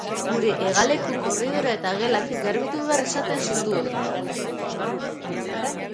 Gure hegaleko korridorea eta gelak garbitu behar izaten zituen.